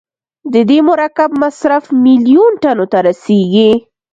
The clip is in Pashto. د دې مرکب مصرف میلیون ټنو ته رسیږي.